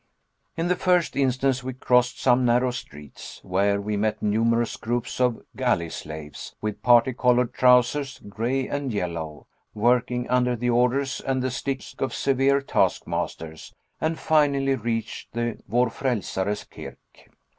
In the first instance we crossed some narrow streets, where we met numerous groups of galley slaves, with particolored trousers, grey and yellow, working under the orders and the sticks of severe taskmasters, and finally reached the Vor Frelser's Kirk.